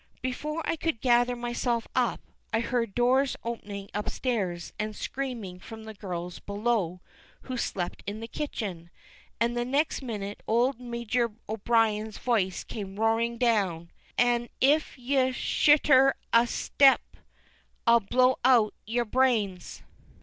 Before I could gather myself up, I heard doors opening upstairs, and screaming from the girls below who slept in the kitchen; and the next minute old Major O'Brien's voice came roaring down "An' if ye shtir a shtep I'll blow out yer brains!"